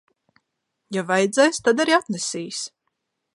Ja vajadzēs, tad arī atnesīs.